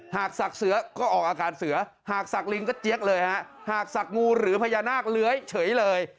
ศักดิ์เสือก็ออกอาการเสือหากสักลิงก็เจี๊ยกเลยฮะหากศักดิ์งูหรือพญานาคเลื้อยเฉยเลย